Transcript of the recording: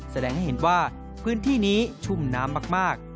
แสดงให้เห็นว่าพื้นที่นี้ชุ่มน้ำมาก